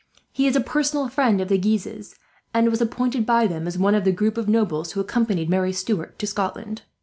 He is a personal friend of the Guises, and was appointed by them as one of the group of nobles who accompanied Marie Stuart to Scotland.